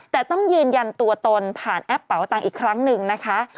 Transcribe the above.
แต่ต้องยืนยันตัวตนผ่านแอปเป๋าตังค์อีกครั้งหนึ่งนะคะ